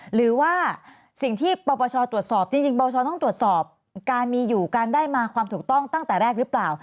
หรือว่าสิ่งที่ปปชตรวจสอบจริงปปชต้องตรวจสอบการมีอยู่การได้มาความถูกต้องตั้งแต่แรกหรือเปล่า